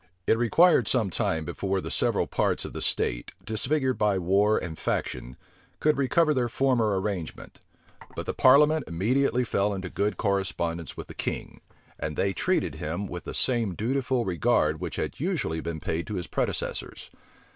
It required some time before the several parts of the state, disfigured by war and faction, could recover their former arrangement; but the parliament immediately fell into good correspondence with the king; and they treated him with the same dutiful regard which had usually been paid to his predecessors.